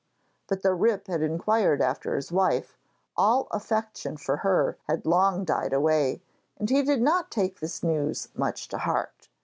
But though Rip had inquired after his wife, all affection for her had long died away, and he did not take this news much to heart.